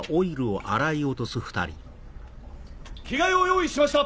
着替えを用意しました！